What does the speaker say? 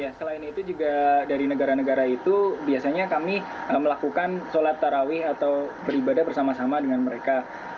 ya selain itu juga dari negara negara itu biasanya kami melakukan sholat tarawih atau beribadah bersama sama dengan mereka